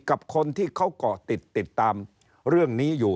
กับคนที่เขาเกาะติดติดตามเรื่องนี้อยู่